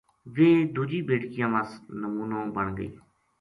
ویہ دُوجی بیٹکیاں وس نمونو بن گئی